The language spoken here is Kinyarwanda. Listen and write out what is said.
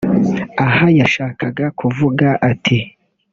Aha yashakaga kuvuga ati